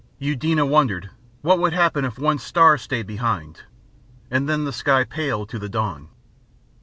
Eudena wondered what would happen if one star stayed behind. And then the sky paled to the dawn.